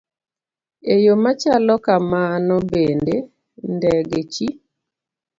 E yo machalo kamano bende, ndege chi